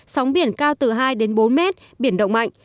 sóng biển cao từ hai đến bốn mét biển động mạnh